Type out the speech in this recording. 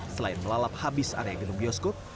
selain melalap habis area gedung bioskop